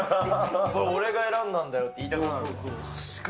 これ、俺が選んだんだよって言いたくなる。